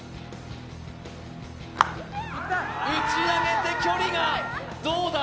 打ち上げて、距離がどうだ？